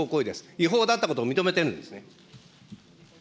違法だったことを認めてるんです